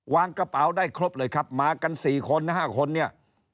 วางกระเป๋าได้ครบเลยครับมากัน๔คน๕คนเนี่ย